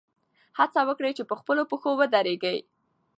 هڅه وکړئ چې په خپلو پښو ودرېږئ.